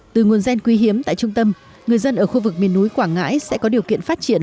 từ nguồn gen quý hiếm tại trung tâm người dân ở khu vực miền núi quảng ngãi sẽ có điều kiện phát triển